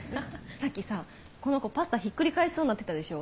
さっきさこの子パスタひっくり返しそうになってたでしょ？